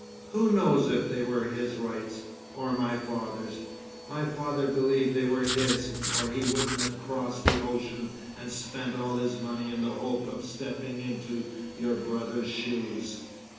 "Who knows if they were his rights, or my father's? My father believed they were his, or he wouldn't have crossed the ocean and spent all his money in the hope of stepping into your brother's shoes."